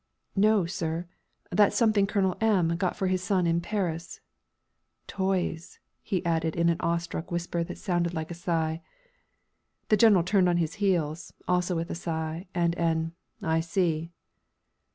"No, sir. That's something Colonel M got for his son in Paris toys!" he added in an awestruck whisper that sounded like a sigh. The General turned on his heels, also with a sigh, and an "I see!"